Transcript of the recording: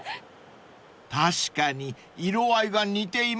［確かに色合いが似ていますね］